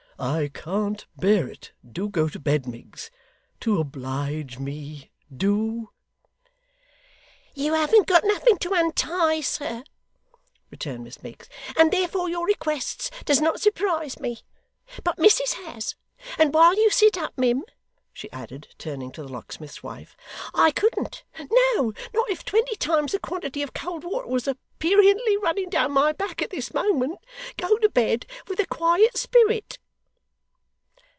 I can't bear it. Do go to bed, Miggs. To oblige me do.' 'You haven't got nothing to untie, sir,' returned Miss Miggs, 'and therefore your requests does not surprise me. But missis has and while you sit up, mim' she added, turning to the locksmith's wife, 'I couldn't, no, not if twenty times the quantity of cold water was aperiently running down my back at this moment, go to bed with a quiet spirit.